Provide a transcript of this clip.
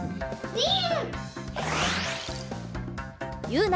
ニン！